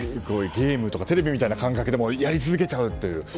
ゲームとかテレビみたいな感覚でやり続けちゃうという。